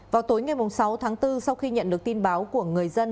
vào tối ngày sáu tháng bốn sau khi nhận được tin báo của người dân